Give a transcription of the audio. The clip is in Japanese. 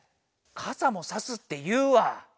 かさも「さす」って言うわ。